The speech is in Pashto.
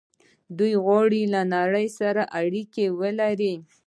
دوی غواړي له نړۍ سره اړیکه ولري.